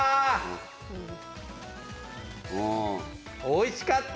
おいしかった！